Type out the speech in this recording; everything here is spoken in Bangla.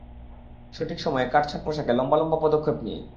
সঠিক সময়ে, কাটছাঁট পোশাকে, লম্বা লম্বা পদক্ষেপ নিয়ে!